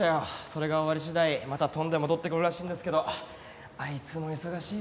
それが終わり次第また飛んで戻ってくるらしいんですけどあいつも忙しいのに。